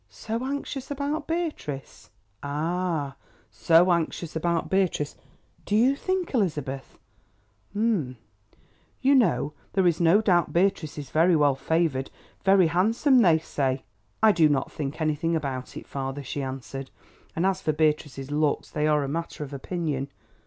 "So anxious about Beatrice—ah, so anxious about Beatrice! Do you think, Elizabeth—um—you know there is no doubt Beatrice is very well favoured—very handsome they say——" "I do not think anything about it, father," she answered, "and as for Beatrice's looks they are a matter of opinion.